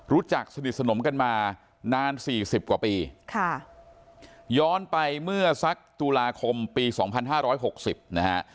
รู้จักสนิทสนมกันมานานสี่สิบกว่าปีค่ะย้อนไปเมื่อสักตุลาคมปีสองพันห้าร้อยหกสิบนะฮะ